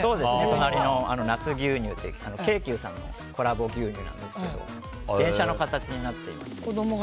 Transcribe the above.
隣のは那須牛乳という京急さんのコラボ牛乳ですけど電車の形になっていまして。